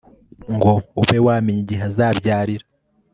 ngo ube wamenya igihe azabyarira